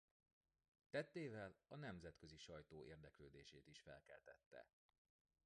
Tettével a nemzetközi sajtó érdeklődését is felkeltette.